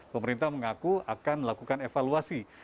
pemerintah mengaku akan melakukan evaluasi